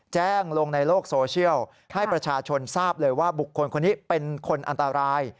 แจ้งลงในโลกโซเชียลให้ประชาชนทราบเลยว่าบุคคลคนนี้เป็นคนอันตราย